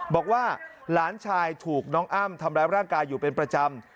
บอกว่าหลานชายถูกน้องอ้ำทำร้ายร่างกายอยู่เป็นประจำ